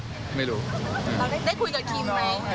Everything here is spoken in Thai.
เราได้คุยกับคิมไหม